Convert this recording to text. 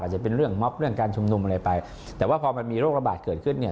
จะเป็นเรื่องม็อบเรื่องการชุมนุมอะไรไปแต่ว่าพอมันมีโรคระบาดเกิดขึ้นเนี่ย